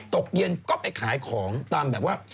ตกเย็นก็ไปขายของตามแบบว่า